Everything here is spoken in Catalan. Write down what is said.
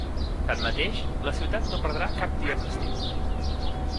Tanmateix, la ciutat no perdrà cap dia festiu.